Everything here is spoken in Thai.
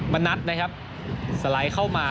มณัฐนะครับสไลด์เข้ามา